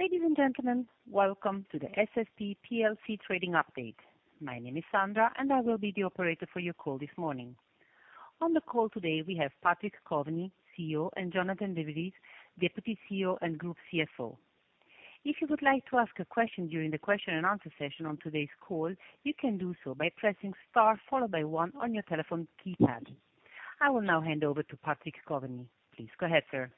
Ladies and gentlemen, welcome to the SSP PLC trading update. My name is Sandra, and I will be the operator for your call this morning. On the call today, we have Patrick Coveney, CEO, and Jonathan Davies, Deputy CEO and Group CFO. If you would like to ask a question during the question and answer session on today's call, you can do so by pressing Star followed by one on your telephone keypad. I will now hand over to Patrick Coveney. Please go ahead, sir.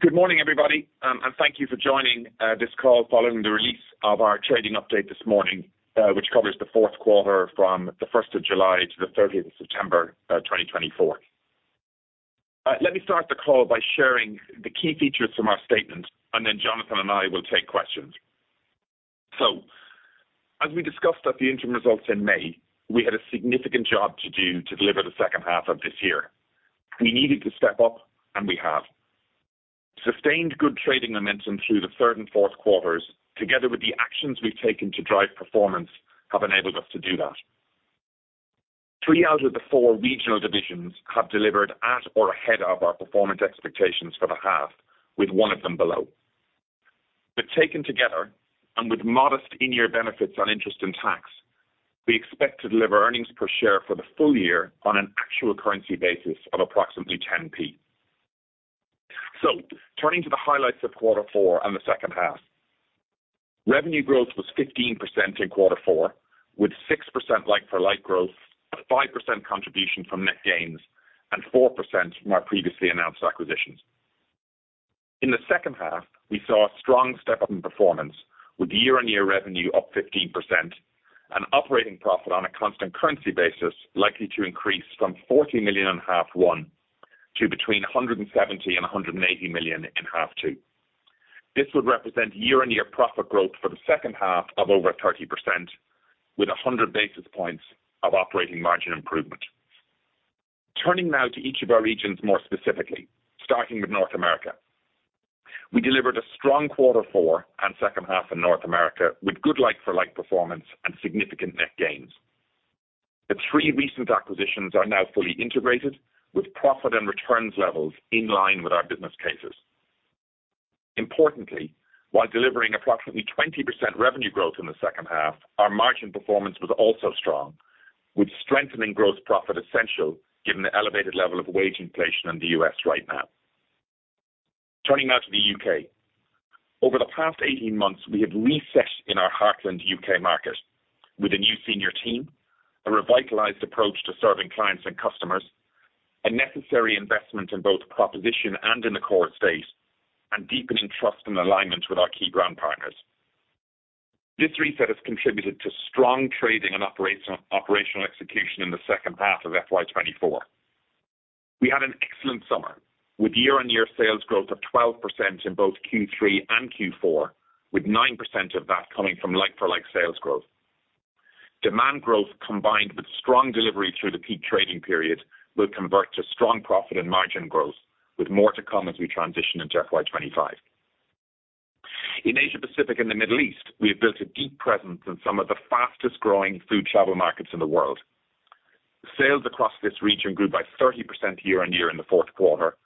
Good morning, everybody, and thank you for joining this call following the release of our trading update this morning, which covers the fourth quarter from the first of July to the thirteenth of September, 2024. Let me start the call by sharing the key features from our statement, and then Jonathan and I will take questions. So as we discussed at the interim results in May, we had a significant job to do to deliver the second half of this year. We needed to step up, and we have. Sustained good trading momentum through the third and fourth quarters, together with the actions we've taken to drive performance, have enabled us to do that. Three out of the four regional divisions have delivered at or ahead of our performance expectations for the half, with one of them below. But taken together, and with modest in-year benefits on interest and tax, we expect to deliver earnings per share for the full year on an actual currency basis of approximately 0.10. So turning to the highlights of Quarter four and the second half. Revenue growth was 15% in quarter four, with 6% like-for-like growth, a 5% contribution from net gains, and 4% from our previously announced acquisitions. In the second half, we saw a strong step up in performance, with year-on-year revenue up 15% and operating profit on a constant currency basis, likely to increase from 40 million in half one to between 170- 180 million in half two. This would represent year-on-year profit growth for the second half of over 30%, with 100 basis points of operating margin improvement. Turning now to each of our regions more specifically, starting with North America. We delivered a strong quarter four and second half in North America with good like-for-like performance and significant net gains. The three recent acquisitions are now fully integrated, with profit and returns levels in line with our business cases. Importantly, while delivering approximately 20% revenue growth in the second half, our margin performance was also strong, with strengthening gross profit essential given the elevated level of wage inflation in the U.S. right now. Turning now to the U.K. Over the past 18 months, we have reset in our heartland U.K. market with a new senior team, a revitalized approach to serving clients and customers, a necessary investment in both proposition and in the core estate, and deepening trust and alignment with our key brand partners. This reset has contributed to strong trading and operational execution in the second half of FY 2024. We had an excellent summer, with year-on-year sales growth of 12% in both Q3 and Q4, with 9% of that coming from like-for-like sales growth. Demand growth, combined with strong delivery through the peak trading period, will convert to strong profit and margin growth, with more to come as we transition into FY 2025. In Asia Pacific and the Middle East, we have built a deep presence in some of the fastest growing food travel markets in the world. Sales across this region grew by 30% year-on-year in the fourth quarter,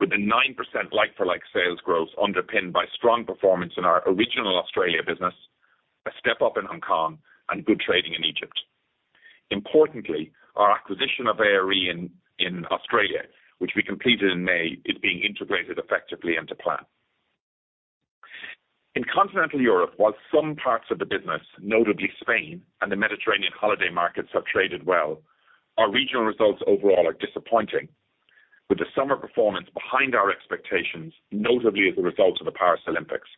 with a 9% like-for-like sales growth underpinned by strong performance in our original Australia business, a step up in Hong Kong and good trading in Egypt. Importantly, our acquisition of ARE in Australia, which we completed in May, is being integrated effectively into plan. In Continental Europe, while some parts of the business, notably Spain and the Mediterranean holiday markets, have traded well, our regional results overall are disappointing, with the summer performance behind our expectations, notably as a result of the Paris Olympics.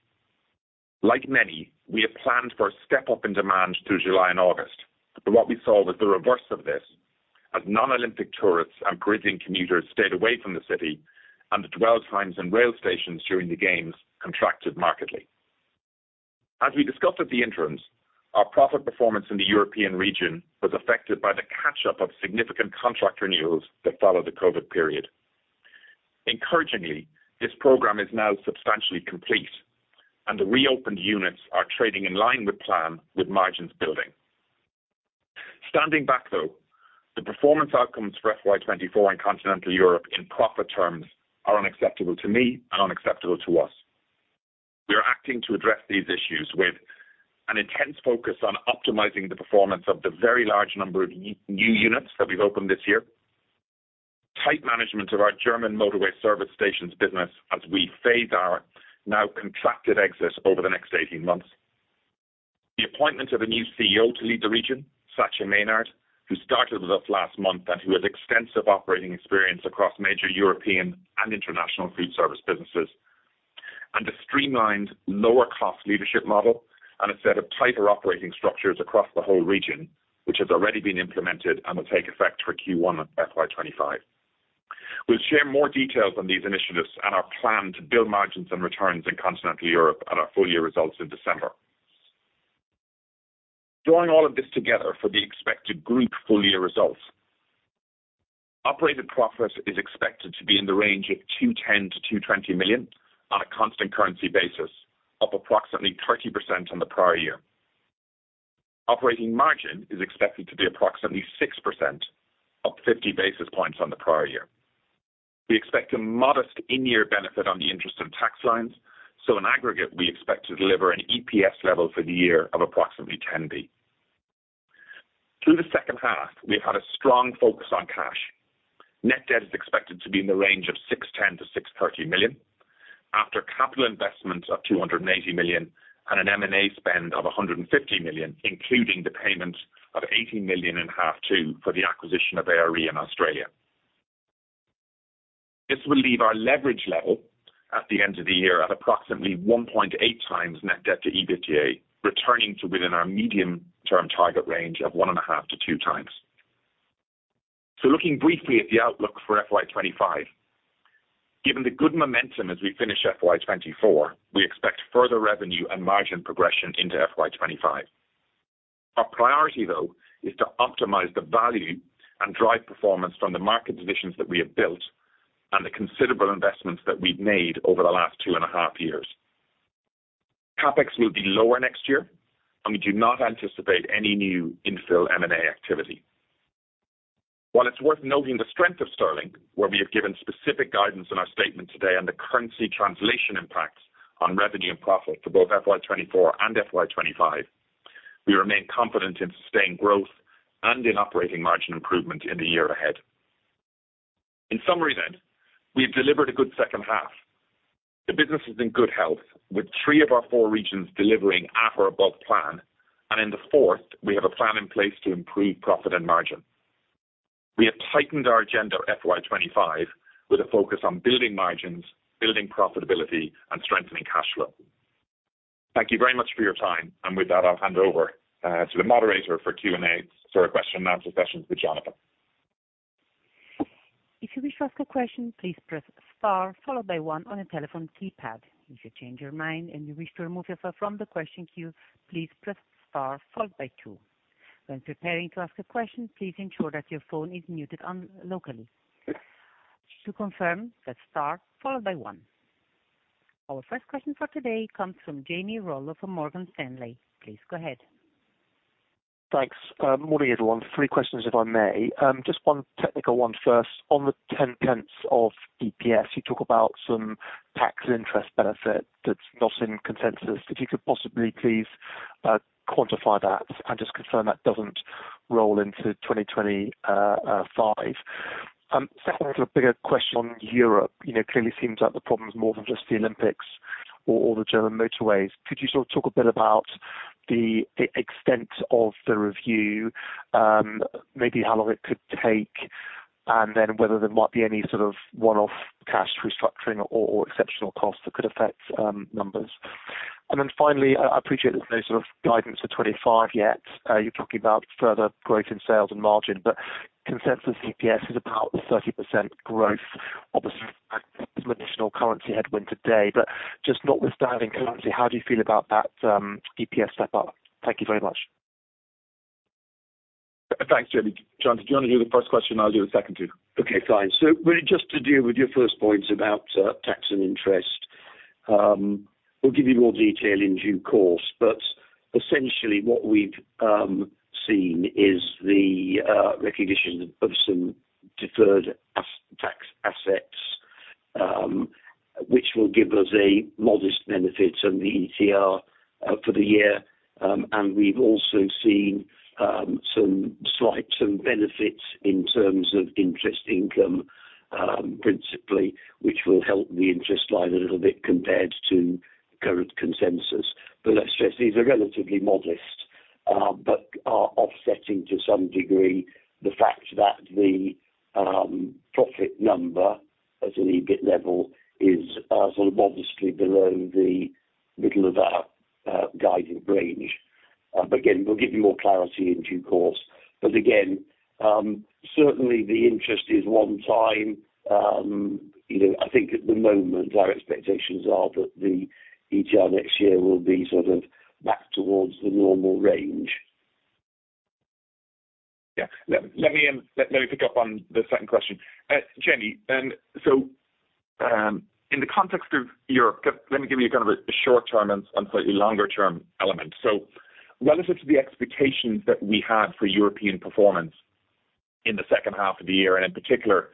Like many, we had planned for a step up in demand through July and August, but what we saw was the reverse of this, as non-Olympic tourists and gridlocked commuters stayed away from the city and the dwell times and rail stations during the games contracted markedly. As we discussed at the interims, our profit performance in the European region was affected by the catch-up of significant contract renewals that followed the COVID period. Encouragingly, this program is now substantially complete, and the reopened units are trading in line with plan with margins building. Standing back, though, the performance outcomes for FY 2024 in Continental Europe in profit terms are unacceptable to me and unacceptable to us. We are acting to address these issues with an intense focus on optimizing the performance of the very large number of new units that we've opened this year. Tight management of our German motorway service stations business as we phase our now contracted exits over the next 18 months. The appointment of a new CEO to lead the region, Sascha Meinrath, who started with us last month and who has extensive operating experience across major European and international food service businesses and streamlined, lower cost leadership model and a set of tighter operating structures across the whole region, which has already been implemented and will take effect for Q1 of FY 2025. We'll share more details on these initiatives and our plan to build margins and returns in Continental Europe at our full year results in December. Drawing all of this together for the expected group full year results, operating profit is expected to be in the range of 210 million-220 million on a constant currency basis, up approximately 30% on the prior year. Operating margin is expected to be approximately 6%, up 50 basis points on the prior year. We expect a modest in-year benefit on the interest and tax lines, so in aggregate, we expect to deliver an EPS level for the year of approximately 10p. Through the second half, we've had a strong focus on cash. Net debt is expected to be in the range of 610- 630 million, after capital investments of 280 million and an M&A spend of 150 million, including the payment of 80 million in half two for the acquisition of ARE in Australia. This will leave our leverage level at the end of the year at approximately 1.8× net debt to EBITDA, returning to within our medium-term target range of 1.5×-2×. So looking briefly at the outlook for FY 2025. Given the good momentum as we finish FY 2024, we expect further revenue and margin progression into FY 2025. Our priority, though, is to optimize the value and drive performance from the market positions that we have built and the considerable investments that we've made over the last two and a half years. CapEx will be lower next year, and we do not anticipate any new infill M&A activity. While it's worth noting the strength of Sterling, where we have given specific guidance in our statement today on the currency translation impacts on revenue and profit for both FY 2024 and FY 2025, we remain confident in sustained growth and in operating margin improvement in the year ahead. In summary then, we've delivered a good second half. The business is in good health, with three of our four regions delivering at or above plan, and in the fourth, we have a plan in place to improve profit and margin. We have tightened our agenda FY 2025 with a focus on building margins, building profitability, and strengthening cash flow. Thank you very much for your time, and with that, I'll hand over to the moderator for Q&A for our question and answer session with Jonathan. If you wish to ask a question, please press star followed by one on your telephone keypad. If you change your mind and you wish to remove yourself from the question queue, please press star followed by two. When preparing to ask a question, please ensure that your phone is muted locally. To confirm, press star followed by one. Our first question for today comes from Jamie Rollo from Morgan Stanley. Please go ahead. Thanks. Morning, everyone. Three questions, if I may. Just one technical one first. On the 0.10 of EPS, you talk about some tax interest benefit that's not in consensus. If you could possibly please quantify that and just confirm that doesn't roll into 2025. Second, little bigger question on Europe. You know, clearly seems like the problem is more than just the Olympics or the German motorways. Could you sort of talk a bit about the extent of the review, maybe how long it could take, and then whether there might be any sort of one-off cash restructuring or exceptional costs that could affect numbers? Then finally, I appreciate there's no sort of guidance for 2025 yet. You're talking about further growth in sales and margin, but consensus EPS is about 30% growth, obviously some additional currency headwind today. But just notwithstanding currency, how do you feel about that EPS step up? Thank you very much. Thanks, Jamie. John, do you want to do the first question? I'll do the second two. Okay, fine, so really, just to deal with your first point about tax and interest, we'll give you more detail in due course, but essentially what we've seen is the recognition of some deferred tax assets, which will give us a modest benefit on the ETR for the year, and we've also seen some slight benefits in terms of interest income, principally, which will help the interest line a little bit compared to current consensus. But let's stress, these are relatively modest, but are offsetting to some degree the fact that the profit number at an EBIT level is sort of modestly below the middle of our guided range. But again, we'll give you more clarity in due course, but again, certainly the interest is one-time. You know, I think at the moment, our expectations are that the ETR next year will be sort of back towards the normal range. Yeah. Let me pick up on the second question. Jamie, so, in the context of Europe, let me give you kind of a short term and slightly longer term element. So relative to the expectations that we had for European performance in the second half of the year, and in particular,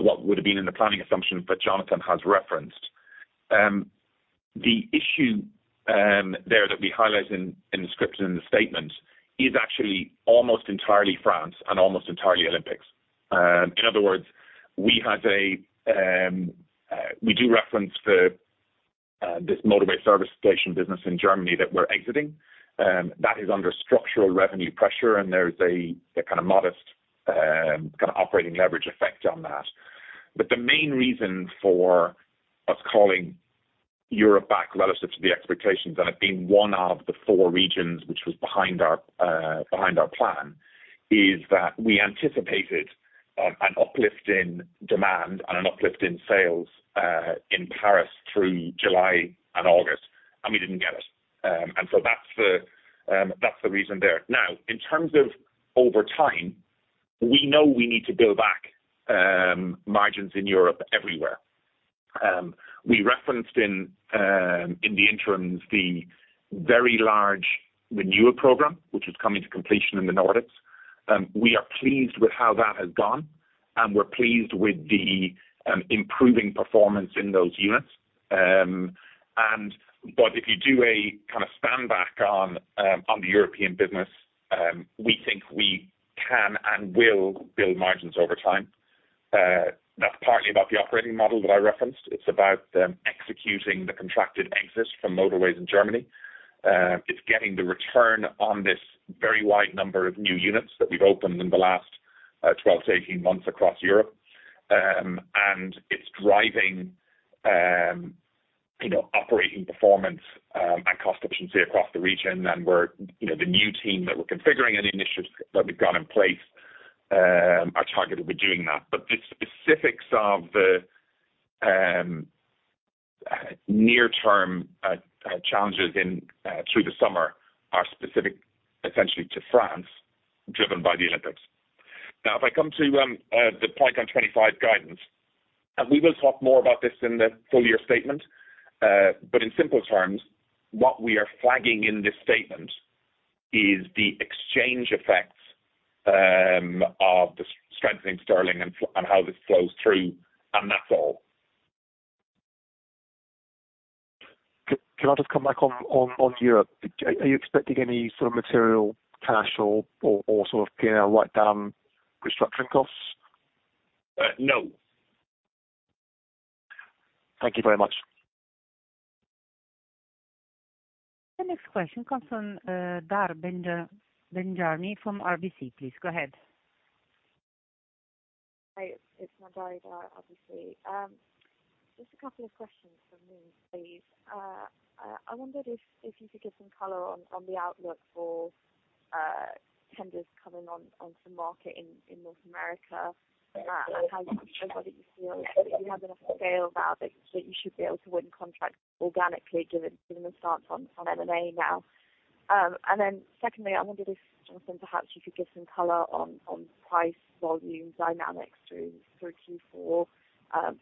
what would have been in the planning assumption that Jonathan has referenced, the issue there that we highlight in the description in the statement is actually almost entirely France and almost entirely Olympics. In other words, we do reference this motorway service station business in Germany that we're exiting, that is under structural revenue pressure, and there's a kind of modest kind of operating leverage effect on that. But the main reason for us calling Europe back relative to the expectations, and it being one of the four regions which was behind our plan, is that we anticipated an uplift in demand and an uplift in sales in Paris through July and August, and we didn't get it, and so that's the reason there. Now, in terms of over time, we know we need to build back margins in Europe everywhere. We referenced in the interims the very large renewal program, which is coming to completion in the Nordics. We are pleased with how that has gone, and we're pleased with the improving performance in those units. But if you do a kind of stand back on the European business, we think we can and will build margins over time. That's partly about the operating model that I referenced. It's about executing the contracted exits from motorways in Germany. It's getting the return on this very wide number of new units that we've opened in the last 12-18 months across Europe. It's driving, you know, operating performance and cost efficiency across the region and we're, you know, the new team that we're configuring and the initiatives that we've got in place are targeted with doing that. But the specifics of the near-term challenges through the summer are specific, essentially to France, driven by the Olympics. Now, if I come to the point on 2025 guidance, and we will talk more about this in the full year statement, but in simplest terms, what we are flagging in this statement is the exchange effects of the strengthening sterling and how this flows through, and that's all. Can I just come back on Europe? Are you expecting any sort of material cash or sort of, you know, write down restructuring costs? No. Thank you very much. The next question comes from Dhar Manjari from RBC. Please go ahead. Hi, it's Dhar, obviously. Just a couple of questions from me, please. I wondered if you could give some color on the outlook for tenders coming on to market in North America, and whether you feel that you have enough scale now that you should be able to win contracts organically, given the stance on M&A now? Then secondly, I wondered if Johnson, perhaps you could give some color on price volume dynamics through Q4,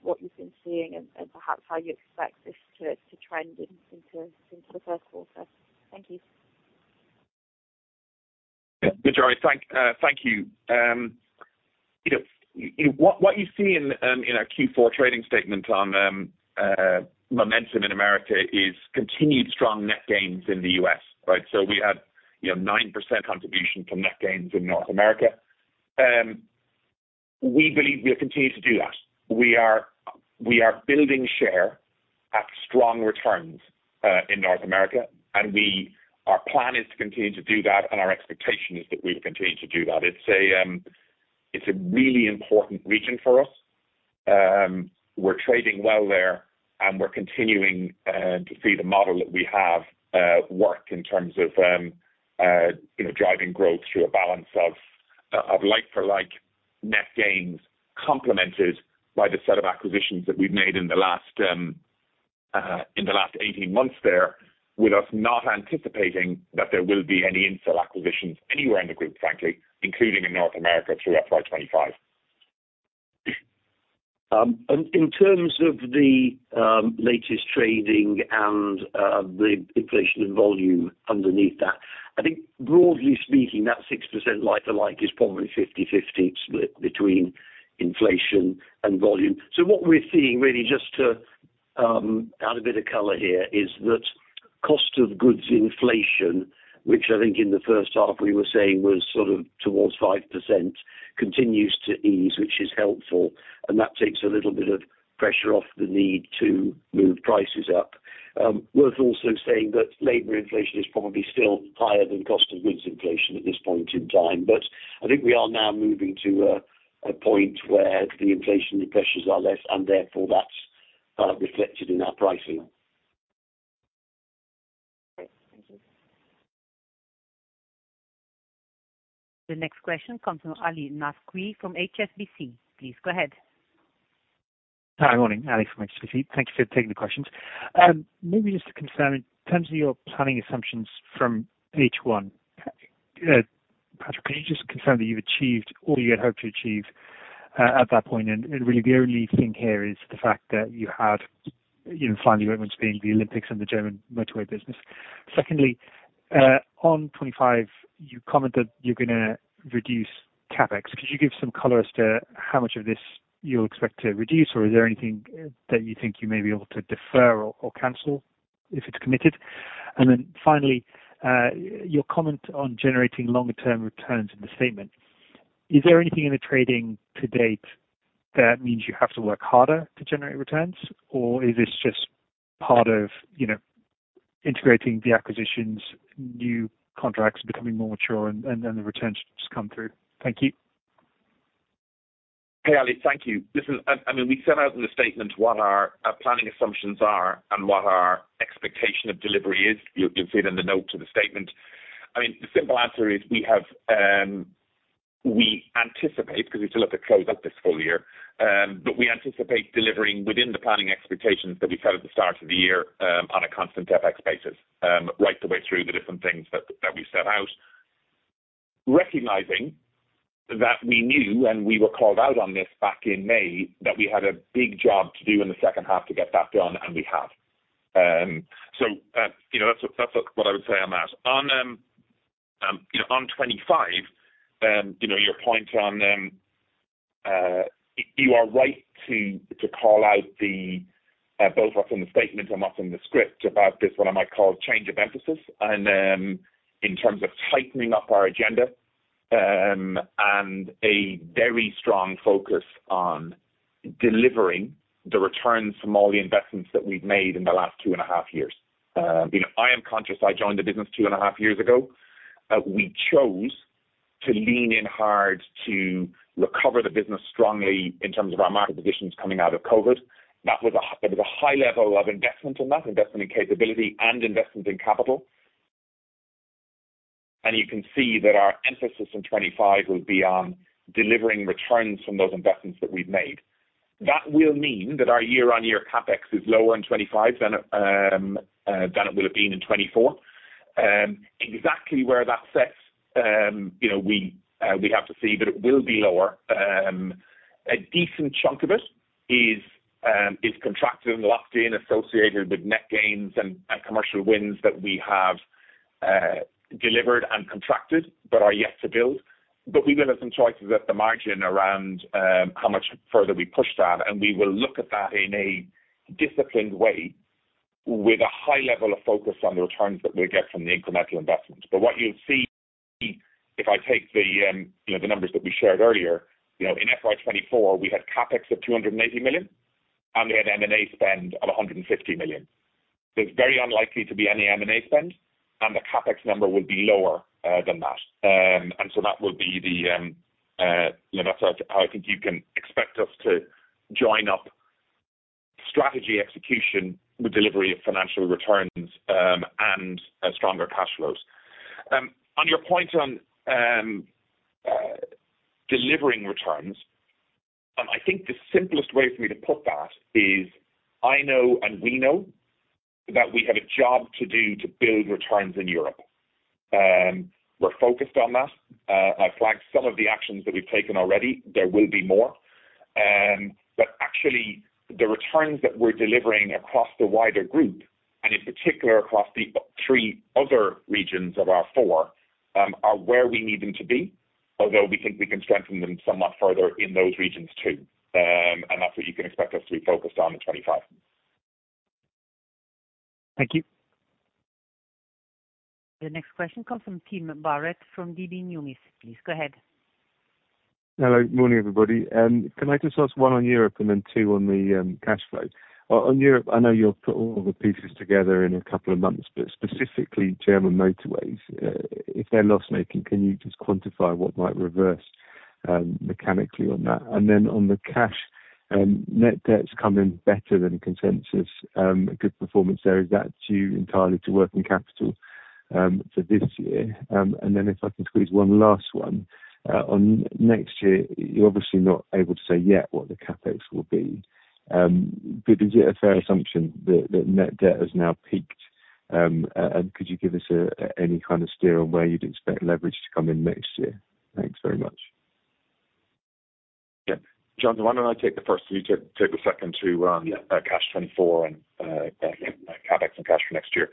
what you've been seeing and perhaps how you expect this to trend into the first quarter. Thank you. Good, Dhar. Thank you. You know, what you see in our Q4 trading statement on momentum in America is continued strong net gains in the U.S., right? So we had, you know, 9% contribution from net gains in North America. We believe we have continued to do that. We are building share at strong returns in North America, and our plan is to continue to do that, and our expectation is that we've continued to do that. It's a really important region for us. We're trading well there, and we're continuing to see the model that we have work in terms of, you know, driving growth through a balance of like-for-like net gains, complemented by the set of acquisitions that we've made in the last 18 months there, with us not anticipating that there will be any infill acquisitions anywhere in the group, frankly, including in North America through FY 2025. In terms of the latest trading and the inflation and volume underneath that, I think broadly speaking, that 6% like-for-like is probably 50-50 split between inflation and volume. So what we're seeing really just to add a bit of color here is that cost of goods inflation, which I think in the first half we were saying was sort of towards 5%, continues to ease, which is helpful, and that takes a little bit of pressure off the need to move prices up. Worth also saying that labor inflation is probably still higher than cost of goods inflation at this point in time. But I think we are now moving to a point where the inflationary pressures are less, and therefore that's reflected in our pricing. Great. Thank you. The next question comes from Ali Naqvi from HSBC. Please go ahead. Hi, good morning, Ali from HSBC. Thank you for taking the questions. Maybe just to confirm, in terms of your planning assumptions from H1, Patrick, can you just confirm that you've achieved all you had hoped to achieve at that point? Really the only thing here is the fact that you had, you know, finally went with being the Olympics and the German motorway business. Secondly, on 2025, you commented you're gonna reduce CapEx. Could you give some color as to how much of this you expect to reduce, or is there anything that you think you may be able to defer or cancel if it's committed? Then finally, your comment on generating longer term returns in the statement. Is there anything in the trading to date that means you have to work harder to generate returns, or is this just part of, you know, integrating the acquisitions, new contracts becoming more mature and the returns just come through? Thank you. Hey, Ali, thank you. Listen, I mean, we set out in the statement what our planning assumptions are and what our expectation of delivery is. You'll see it in the note to the statement. I mean, the simple answer is we have, we anticipate, because we still have to close out this full year, but we anticipate delivering within the planning expectations that we set at the start of the year, on a constant FX basis, right the way through the different things that we set out. Recognizing that we knew, and we were called out on this back in May, that we had a big job to do in the second half to get that done, and we have. So, you know, that's what I would say on that. On 2025, you know, your point on, you are right to call out the both what's in the statement and what's in the script about this, what I might call change of emphasis, and in terms of tightening up our agenda, and a very strong focus on delivering the returns from all the investments that we've made in the last two and a half years. You know, I am conscious. I joined the business two and a half years ago. We chose to lean in hard to recover the business strongly in terms of our market positions coming out of COVID. That was a high level of investment in that, investment in capability and investment in capital. You can see that our emphasis in 2025 will be on delivering returns from those investments that we've made. That will mean that our year-on-year CapEx is lower in 2025 than it would have been in 2024. Exactly where that sits, you know, we have to see, but it will be lower. A decent chunk of it is contracted and locked in, associated with net gains and commercial wins that we have delivered and contracted, but are yet to build. We will have some choices at the margin around how much further we push that, and we will look at that in a disciplined way, with a high level of focus on the returns that we'll get from the incremental investments. But what you'll see, if I take the, you know, the numbers that we shared earlier, you know, in FY 2024, we had CapEx of 280 million, and we had M&A spend of 150 million. There's very unlikely to be any M&A spend, and the CapEx number will be lower than that. So that will be the, you know, that's how I think you can expect us to join up strategy execution with delivery of financial returns, and stronger cash flows. On your point on delivering returns, I think the simplest way for me to put that is, I know and we know that we have a job to do to build returns in Europe. We're focused on that. I flagged some of the actions that we've taken already. There will be more, but actually, the returns that we're delivering across the wider group, and in particular across the three other regions of our four, are where we need them to be, although we think we can strengthen them somewhat further in those regions too and that's what you can expect us to be focused on in 2025. Thank you. The next question comes from Tim Barrett, from DB Numis. Please, go ahead. Hello, morning, everybody. Can I just ask one on Europe and then two on the cash flow? On Europe, I know you'll put all the pieces together in a couple of months, but specifically German motorways, if they're loss-making, can you just quantify what might reverse, mechanically on that? Then on the cash, net debt's come in better than consensus, a good performance there. Is that due entirely to working capital, for this year? Then if I can squeeze one last one, on next year, you're obviously not able to say yet what the CapEx will be. But is it a fair assumption that net debt has now peaked, and could you give us any kind of steer on where you'd expect leverage to come in next year? Thanks very much. Yeah. John, why don't I take the first three, take the second two on the cash 2024 and CapEx and cash for next year.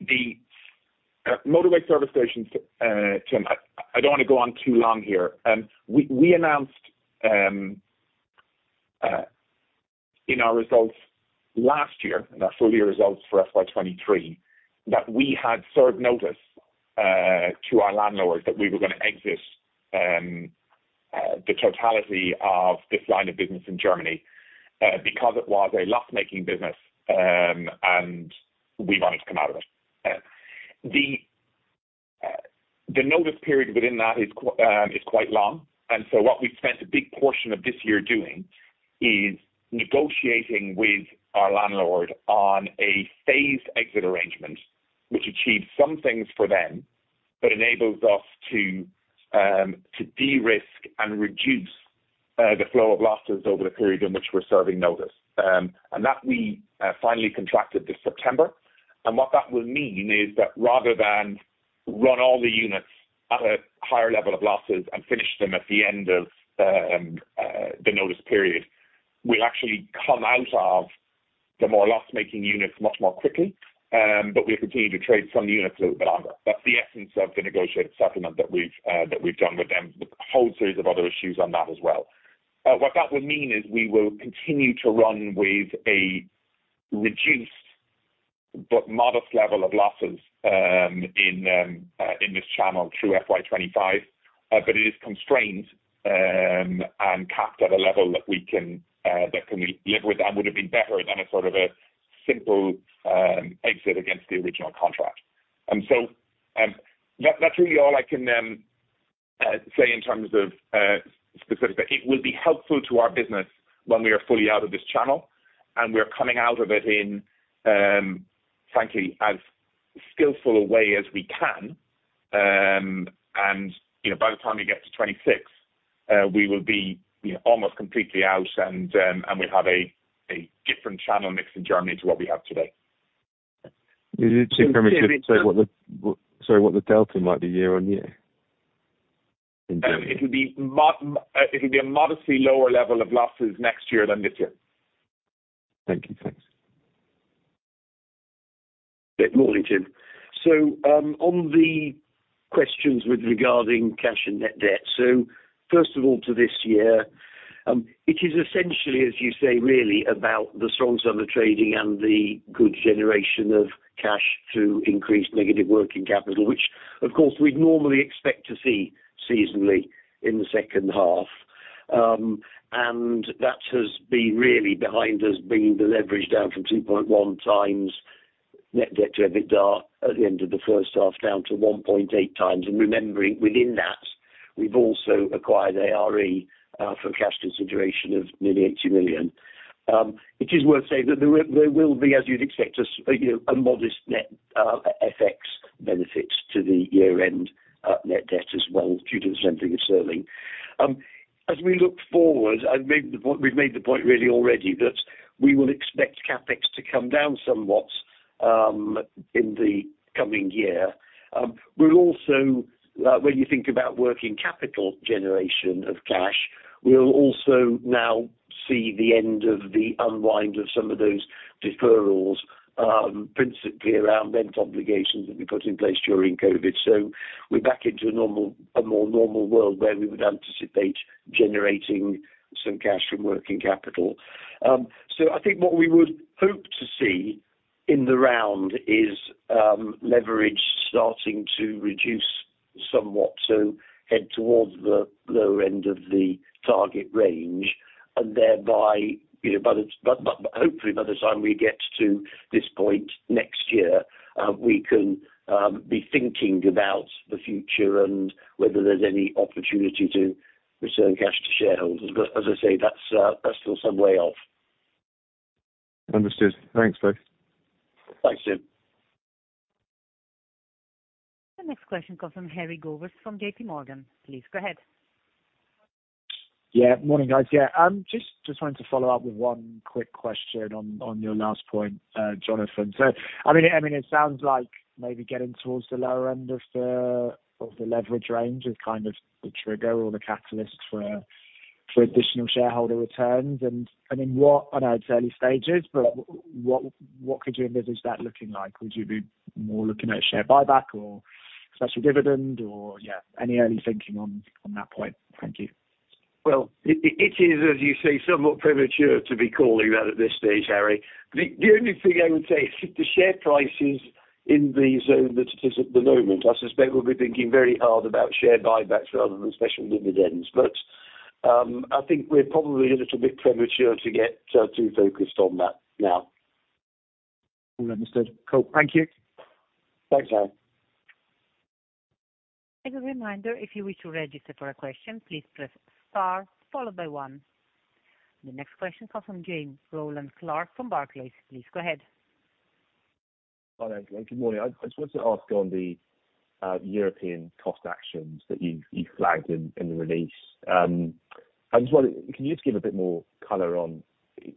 The motorway service stations, Tim, I don't want to go on too long here. We announced in our results last year, in our full year results for FY 2023, that we had served notice to our landlords that we were gonna exit the totality of this line of business in Germany, because it was a loss-making business, and we wanted to come out of it. The notice period within that is quite long, and so what we've spent a big portion of this year doing is negotiating with our landlord on a phased exit arrangement, which achieves some things for them, but enables us to to de-risk and reduce the flow of losses over the period in which we're serving notice and that we finally contracted this September. What that will mean is that rather than run all the units at a higher level of losses and finish them at the end of the notice period, we'll actually come out of the more loss-making units much more quickly, but we continue to trade some units a little bit longer. That's the essence of the negotiated settlement that we've done with them, with a whole series of other issues on that as well. What that would mean is we will continue to run with a reduced but modest level of losses, in this channel through FY 2025, but it is constrained, and capped at a level that we can live with, and would have been better than a sort of a simple exit against the original contract. So, that's really all I can say in terms of specifically. It will be helpful to our business when we are fully out of this channel, and we're coming out of it in, frankly, as skillful a way as we can, and, you know, by the time you get to 2026, we will be, you know, almost completely out, and we'll have a different channel mix in Germany to what we have today. Is it fair to say what the delta might be year-on-year in Germany? It'll be a modestly lower level of losses next year than this year. Thank you. Thanks. Yeah, morning, Tim. On the questions regarding cash and net debt. First of all, for this year, it is essentially, as you say, really, about the strong summer trading and the good generation of cash to increase negative working capital, which of course, we'd normally expect to see seasonally in the second half. That has been really behind us bringing the leverage down from 2.1× net debt to EBITDA at the end of the first half, down to 1.8×. Remembering within that, we've also acquired ARE for cash consideration of nearly 80 million. It is worth saying that there will be, as you'd expect, you know, a modest net FX benefit to the year-end net debt as well, due to the strengthening of sterling. As we look forward, I've made the point, we've made the point really already, that we will expect CapEx to come down somewhat in the coming year. We'll also, when you think about working capital generation of cash, we'll also now see the end of the unwind of some of those deferrals, principally around rent obligations that we put in place during COVID. So we're back into a normal, a more normal world where we would anticipate generating some cash from working capital. So I think what we would hope to see in the round is leverage starting to reduce somewhat, so head towards the lower end of the target range, and thereby, you know, hopefully by the time we get to this point next year, we can be thinking about the future and whether there's any opportunity to return cash to shareholders. But as I say, that's still some way off. Understood. Thanks, Dave. Thanks, Tim. The next question comes from Harry Gowers from J.P. Morgan. Please go ahead. Yeah. Morning, guys. Yeah, just wanted to follow up with one quick question on your last point, Jonathan. So, I mean, it sounds like maybe getting towards the lower end of the leverage range is kind of the trigger or the catalyst for additional shareholder returns and I mean, what... I know it's early stages, but what could you envisage that looking like? Would you be more looking at share buyback or special dividend or, yeah, any early thinking on that point? Thank you. It is, as you say, somewhat premature to be calling that at this stage, Harry. The only thing I would say, if the share price is in the zone that it is at the moment, I suspect we'll be thinking very hard about share buybacks rather than special dividends. But, I think we're probably a little bit premature to get too focused on that now. Understood. Cool. Thank you. Thanks, Harry. As a reminder, if you wish to register for a question, please press star followed by one. The next question comes from James Rowland Clark from Barclays. Please go ahead. Hi there, good morning. I just wanted to ask on the European cost actions that you've flagged in the release. Can you just give a bit more color on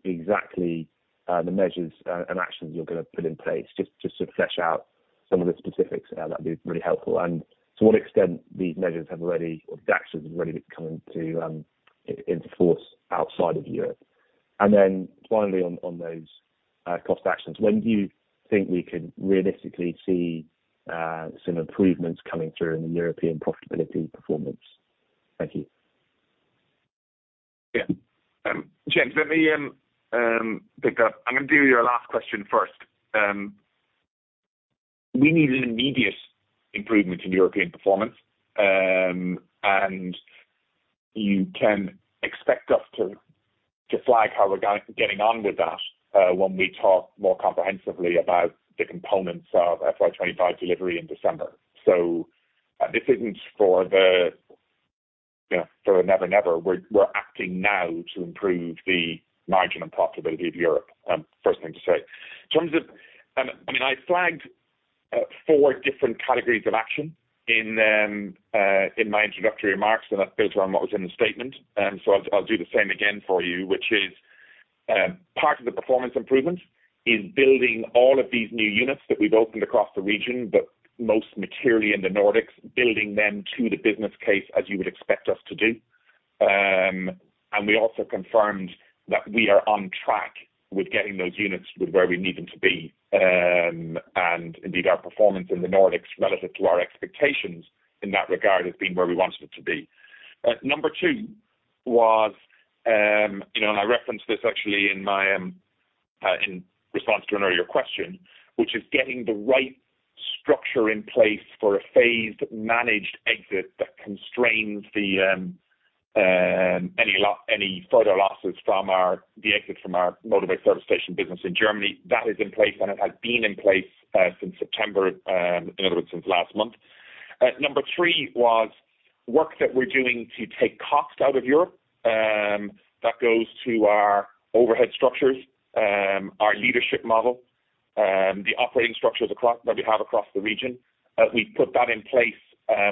exactly the measures and actions you're going to put in place, just to flesh out some of the specifics, that'd be really helpful. To what extent these measures have already, or the actions have already come into force outside of Europe? Then finally, on those cost actions, when do you think we could realistically see some improvements coming through in the European profitability performance? Thank you. Yeah. James, let me pick up. I'm going to do your last question first. We need an immediate improvement in European performance and you can expect us to flag how we're getting on with that, when we talk more comprehensively about the components of FY 2025 delivery in December. So this isn't for the, you know, for the never, never. We're acting now to improve the margin and profitability of Europe, first thing to say. In terms of, I mean, I flagged four different categories of action in my introductory remarks, and that builds on what was in the statement. So I'll do the same again for you, which is, part of the performance improvement is building all of these new units that we've opened across the region, but most materially in the Nordics, building them to the business case, as you would expect us to do and we also confirmed that we are on track with getting those units with where we need them to be. Indeed, our performance in the Nordics, relative to our expectations in that regard, has been where we want it to be. Number two was, you know, and I referenced this actually in my, in response to an earlier question, which is getting the right structure in place for a phased, managed exit that constrains the, any further losses from the exit from our motorway service station business in Germany. That is in place, and it has been in place, since September, in other words, since last month. Number three was work that we're doing to take costs out of Europe, that goes to our overhead structures, our leadership model, the operating structures across that we have across the region. We put that in place,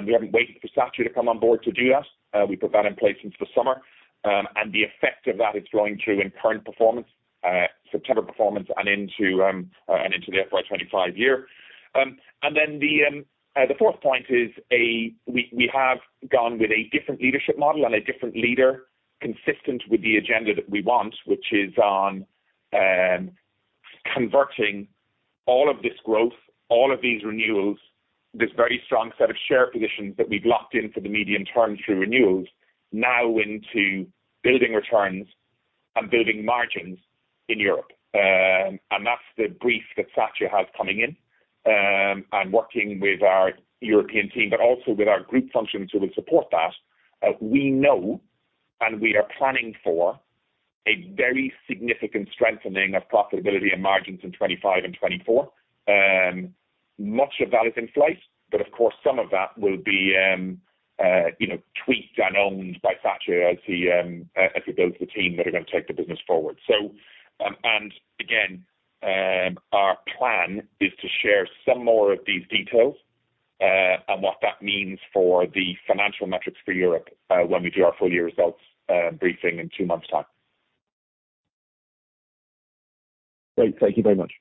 we haven't waited for Sacha to come on board to do that. We put that in place since the summer, and the effect of that is flowing through in current performance, September performance and into, and into the FY 2025 year. Then the fourth point is we have gone with a different leadership model and a different leader consistent with the agenda that we want, which is on converting all of this growth, all of these renewals, this very strong set of share positions that we've locked in for the medium term through renewals, now into building returns and building margins in Europe. That's the brief that Sacha has coming in, and working with our European team, but also with our group functions who will support that. We know and we are planning for a very significant strengthening of profitability and margins in 2025 and 2024. Much of that is in flight, but of course, some of that will be, you know, tweaked and owned by Sacha as he builds the team that are gonna take the business forward. So, and again, our plan is to share some more of these details, and what that means for the financial metrics for Europe, when we do our full year results, briefing in two months' time. Great. Thank you very much.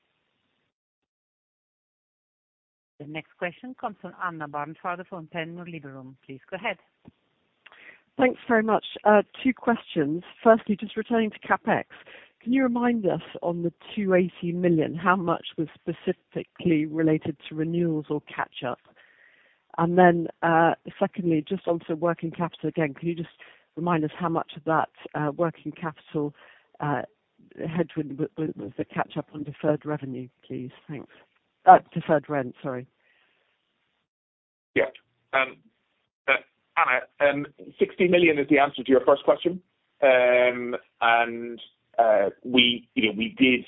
The next question comes from Anna Barnfather from Panmure Gordon. Please go ahead. Thanks very much. Two questions. Firstly, just returning to CapEx, can you remind us on the 280 million, how much was specifically related to renewals or catch up? Then, secondly, just on to working capital again, can you just remind us how much of that working capital headwind was the catch up on deferred revenue, please? Thanks. Deferred rent, sorry. Yeah. Anna, 60 million is the answer to your first question, and we, you know, we did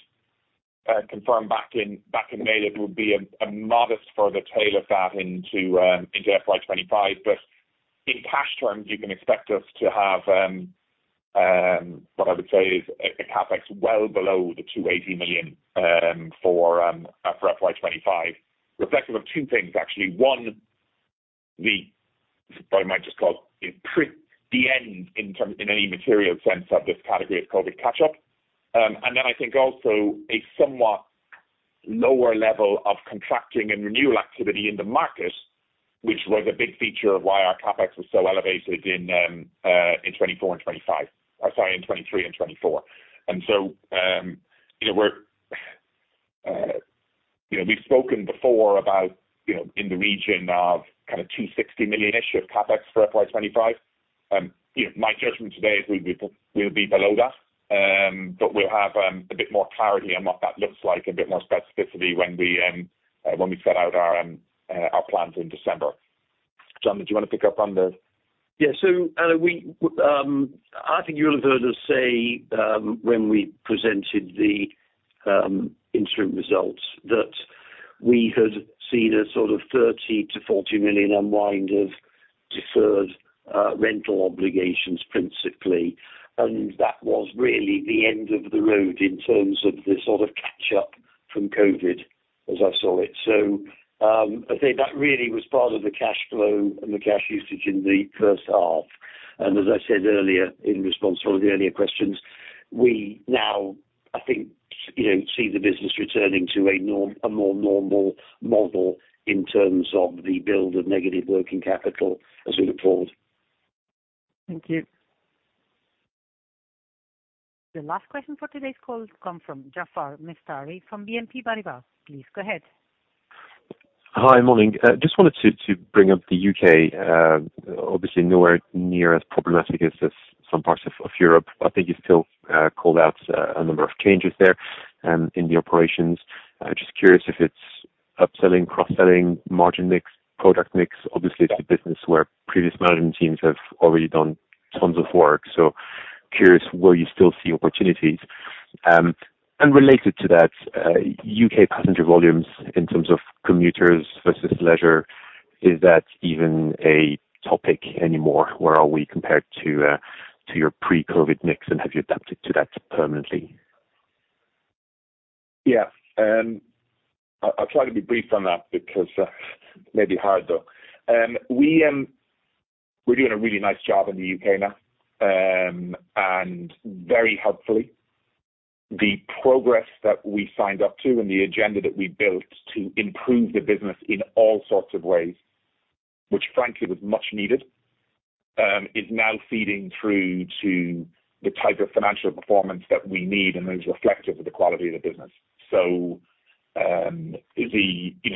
confirm back in, back in May, that there would be a modest further tail of that into FY 2025. But in cash terms, you can expect us to have what I would say is a CapEx well below the 280 million for FY 2025. Reflective of two things, actually. One, the. I might just call it prior to the end in terms, in any material sense, of this category of COVID catch-up. Then I think also a somewhat lower level of contracting and renewal activity in the market, which was a big feature of why our CapEx was so elevated in 2024 and 2025. Sorry, in 2023 and 2024. So, you know, we're, you know, we've spoken before about, you know, in the region of kind of 260 million-ish of CapEx for FY 2025. You know, my judgment today is we'll be below that, but we'll have a bit more clarity on what that looks like, a bit more specificity when we set out our plans in December. John, did you want to pick up on the? Yeah. So, Anna, we, I think you will have heard us say, when we presented the, interim results, that we had seen a sort of 30-40 million unwind of deferred, rental obligations, principally and that was really the end of the road in terms of the sort of catch up from COVID, as I saw it. So, I think that really was part of the cash flow and the cash usage in the first half. As I said earlier, in response to one of the earlier questions, we now, I think, you know, see the business returning to a norm, a more normal model in terms of the build of negative working capital, as we look forward. Thank you. The last question for today's call has come from Jaafar Mestari from BNP Paribas. Please go ahead. Hi, morning. Just wanted to bring up the U.K.. Obviously nowhere near as problematic as some parts of Europe. I think you still called out a number of changes there in the operations. I'm just curious if it's upselling, cross-selling, margin mix, product mix. Obviously, it's a business where previous management teams have already done tons of work, so curious, where you still see opportunities? Related to that, U.K. passenger volumes in terms of commuters versus leisure, is that even a topic anymore? Where are we compared to your pre-COVID mix, and have you adapted to that permanently? Yeah. I'll try to be brief on that because maybe hard though. We're doing a really nice job in the U.K. now and very helpfully, the progress that we signed up to and the agenda that we built to improve the business in all sorts of ways, which frankly was much needed, is now feeding through to the type of financial performance that we need, and is reflective of the quality of the business. So, the... You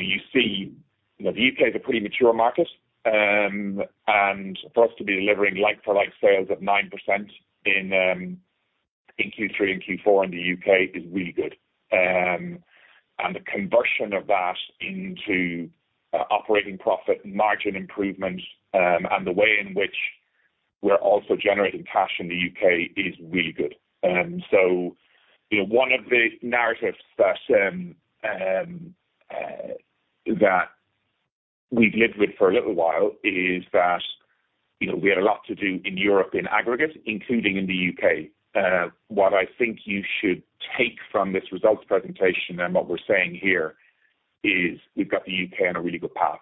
know, the U.K. is a pretty mature market, and for us to be delivering like-for-like sales at 9% in Q3 and Q4 in the U.K. is really good and the conversion of that into operating profit, margin improvement, and the way in which we're also generating cash in the UK is really good. So, you know, one of the narratives that that we've lived with for a little while is that, you know, we had a lot to do in Europe in aggregate, including in the U.K.. What I think you should take from this results presentation and what we're saying here is, we've got the U.K. on a really good path.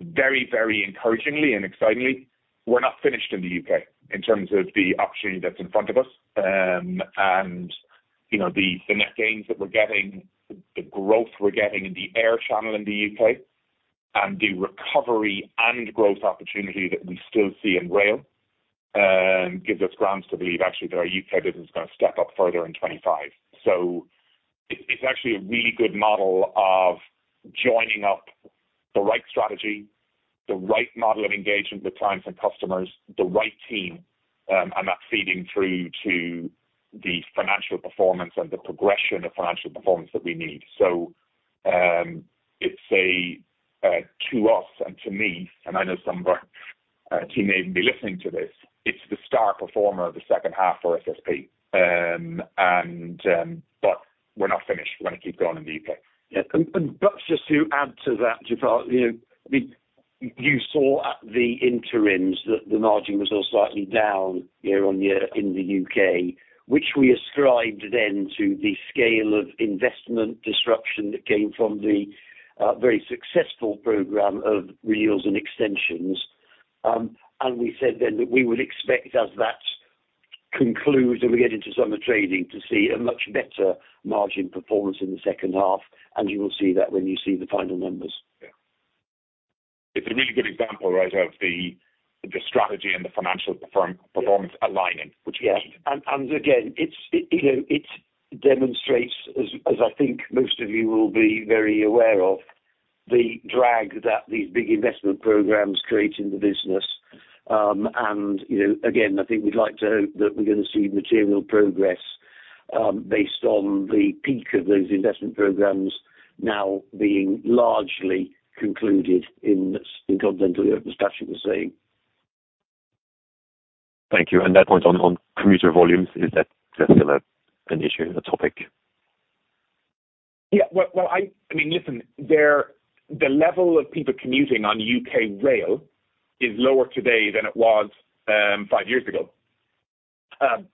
Very, very encouragingly and excitingly, we're not finished in the U.K. in terms of the opportunity that's in front of us, and, you know, the net gains that we're getting, the growth we're getting in the air channel in the U.K., and the recovery and growth opportunity that we still see in rail, gives us grounds to believe actually that our U.K. business is gonna step up further in 2025. So it's actually a really good model of joining up the right strategy, the right model of engagement with clients and customers, the right team, and that's feeding through to the financial performance and the progression of financial performance that we need. So, it's to us and to me, and I know some of our team may even be listening to this, it's the star performer of the second half for SSP, but we're not finished. We're gonna keep going in the U.K.. Yeah, but just to add to that, Gerard, you know, I mean, you saw at the interims that the margin was all slightly down year-on-year in the U.K., which we ascribed then to the scale of investment disruption that came from the very successful program of renewals and extensions and we said then that we would expect as that concludes, and we get into summer trading, to see a much better margin performance in the second half, and you will see that when you see the final numbers. Yeah. It's a really good example, right, of the strategy and the financial performance aligning, which is- Yeah. Again, it's, you know, it demonstrates, as I think most of you will be very aware of, the drag that these big investment programs create in the business, and, you know, again, I think we'd like to hope that we're gonna see material progress, based on the peak of those investment programs now being largely concluded in Continental Europe, as Patrick was saying. Thank you, and that point on commuter volumes, is that still an issue, a topic? Yeah. Well, I mean, listen. The level of people commuting on U.K. rail is lower today than it was five years ago,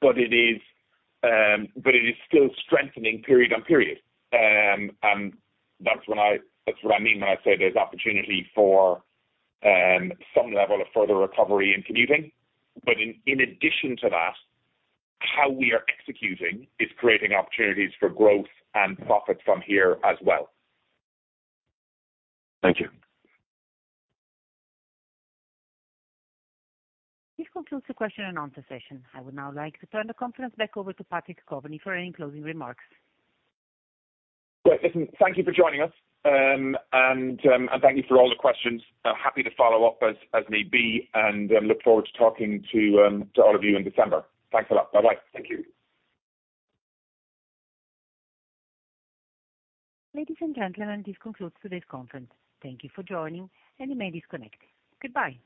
but it is still strengthening period on period. That's what I mean when I say there's opportunity for some level of further recovery in commuting. But in addition to that, how we are executing is creating opportunities for growth and profit from here as well. Thank you. This concludes the question-and-answer session. I would now like to turn the conference back over to Patrick Coveney for any closing remarks. Listen, thank you for joining us, and thank you for all the questions. I'm happy to follow up as may be, and look forward to talking to all of you in December. Thanks a lot. Bye-bye. Thank you. Ladies and gentlemen, this concludes today's conference. Thank you for joining, and you may disconnect. Goodbye.